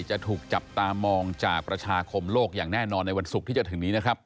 จะถูกจับตามองจากประชาคมโลกอย่างแน่นอนในวันศุกร์ที่จะถึงนี้นะครับ